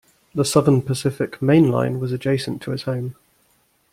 The Southern Pacific main line was adjacent to his home.